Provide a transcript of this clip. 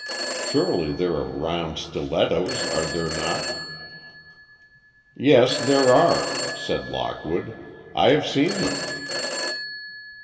Surely, there are round stilettos, are there not?" "Yes, there are," said Lockwood, "I have seen them."